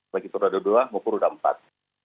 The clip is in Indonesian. baik itu roda dua maupun roda empat